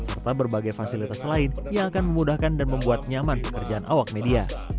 serta berbagai fasilitas lain yang akan memudahkan dan membuat nyaman pekerjaan awak media